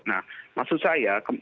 nah maksud saya